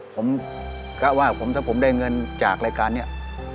ผมกะว่าถ้าผมได้เงินจากรายการนี้